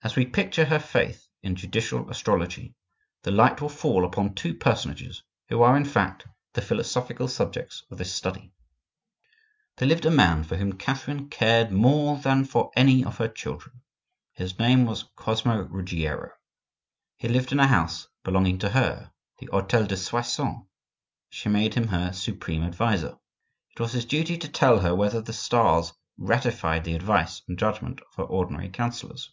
As we picture her faith in judicial astrology, the light will fall upon two personages, who are, in fact, the philosophical subjects of this Study. There lived a man for whom Catherine cared more than for any of her children; his name was Cosmo Ruggiero. He lived in a house belonging to her, the hotel de Soissons; she made him her supreme adviser. It was his duty to tell her whether the stars ratified the advice and judgment of her ordinary counsellors.